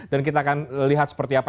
dan kita akan lihat seperti apa